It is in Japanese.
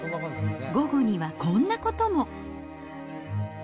午後にはこんなことも。